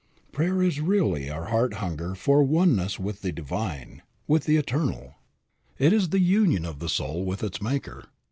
Prayer is really our heart hunger for oneness with the Divine, with the Eternal. It is the union of the soul with its Maker.